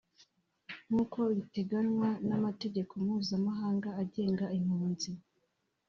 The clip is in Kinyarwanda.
nkuko biteganywa n’amategeko mpuzamahanga agenga impunzi